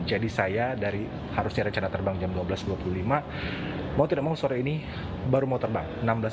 jadi saya dari harusnya recana terbang jam dua belas dua puluh lima mau tidak mau sore ini baru mau terbang enam belas empat puluh lima